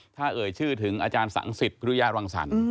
ถ้าเอ่ยชื่อถึงอาจารย์สังสิทธิพิริยรังสรรค์